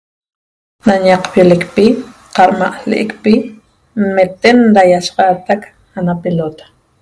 Nañaqpiolecpi qadma' l'ecpi nmeten da ýi'asaxaatac ana pelota